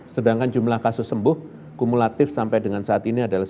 sedangkan jumlah kasus sembuh kumulatif sampai dengan saat ini adalah